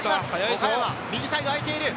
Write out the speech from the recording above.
岡山、右サイド空いている。